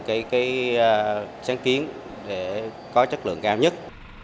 cái sáng kiến để có chất lượng cao nhất